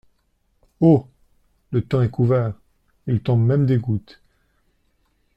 Oh ! le temps est couvert, il tombe même des gouttes !…